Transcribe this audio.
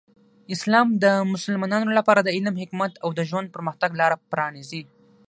اسلام د مسلمانانو لپاره د علم، حکمت، او د ژوند پرمختګ لاره پرانیزي.